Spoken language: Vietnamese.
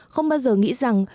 không bao giờ nghĩ rằng